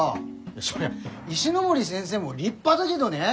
そりゃ石ノ森先生も立派だけどね。